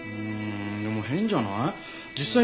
うーんでも変じゃない？